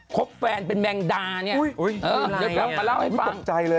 ครบแฟนเป็นแมงดาเนี่ยเดี๋ยวกลับมาเล่าให้ฟังโอ๊ยอะไรอ่ะตกใจเลยอ่ะ